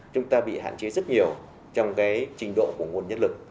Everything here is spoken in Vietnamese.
chúng ta bị hạn chế rất nhiều trong cái trình độ của nguồn nhất lực